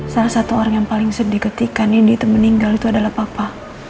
salah satu orang yang paling sedih ketika nindi itu meninggal itu adalah papa